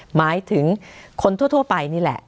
หมายถึงคนทั่วไปนี่แหละ